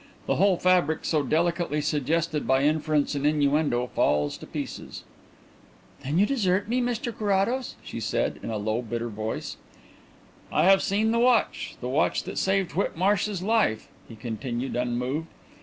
The whole fabric so delicately suggested by inference and innuendo falls to pieces." "Then you desert me, Mr Carrados?" she said, in a low, bitter voice. "I have seen the watch the watch that saved Whitmarsh's life," he continued, unmoved.